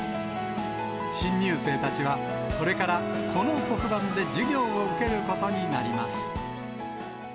新入生たちはこれからこの黒板で授業を受けることになります。